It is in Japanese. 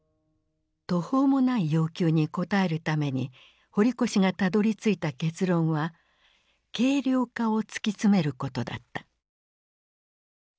途方もない要求に応えるために堀越がたどりついた結論は軽量化を突き詰めることだった。